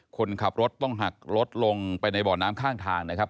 คนขับรถต้องหักรถลงไปในบ่อน้ำข้างทางนะครับ